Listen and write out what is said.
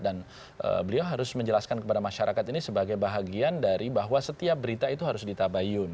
dan beliau harus menjelaskan kepada masyarakat ini sebagai bahagian dari bahwa setiap berita itu harus ditabayun